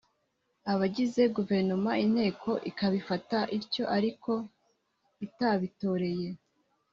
Abagize guverinoma inteko ikabifata ityo ariko itabitoreye